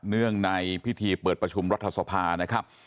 เนื่องในพิธีเปิดประชุมรัฐสภานะครับ